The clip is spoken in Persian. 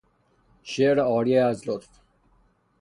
شعر عاری از لطف